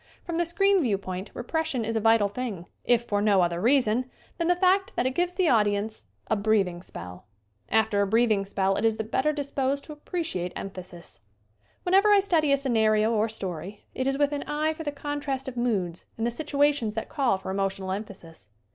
From the screen viewpoint re pression is a vital thing, if for no other reason than the fact that it gives the audience a 84 SCREEN ACTING breathing spell. After a breathing spell it is the better disposed to appreciate emphasis. Whenever I study a scenario or story it is with an eyev for the contrast of moods and the situations that call for emotional emphasis.